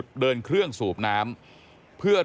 ทางนิติกรหมู่บ้านแจ้งกับสำนักงานเขตประเวท